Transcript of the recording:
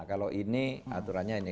kalau ini aturannya ini